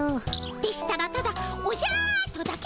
でしたらただ「おじゃ」とだけでも。